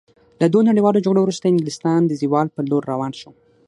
له دوو نړیوالو جګړو وروسته انګلستان د زوال په لور روان شو.